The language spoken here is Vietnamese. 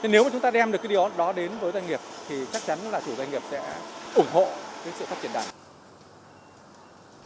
nếu chúng ta đem được cái điều đó đến với doanh nghiệp thì chắc chắn là chủ doanh nghiệp sẽ ủng hộ cái sự phát triển đảng